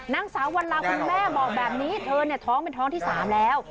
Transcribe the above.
นางสาววันลาคุณแม่บอกแบบนี้เธอเนี่ยท้องเป็นท้องที่๓แล้ว